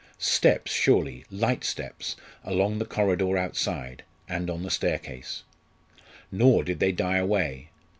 Steps surely light steps along the corridor outside, and on the staircase. Nor did they die away.